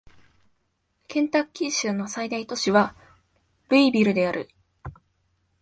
ケンタッキー州の最大都市はルイビルである